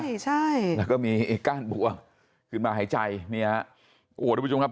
ใช่ใช่แล้วก็มีไอ้ก้านบัวขึ้นมาหายใจเนี่ยโอ้โหทุกผู้ชมครับ